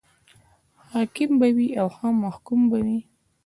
حاکم به وي او که محکوم به وي.